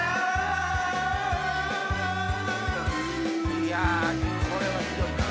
いやこれはひどいな。